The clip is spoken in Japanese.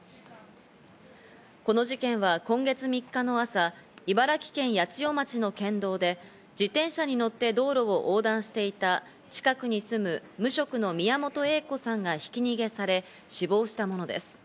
この事件は今月３日の朝、茨城県八千代町の県道で、自転車に乗って道路を横断していた近くに住む無職の宮本栄子さんがひき逃げされ、死亡したものです。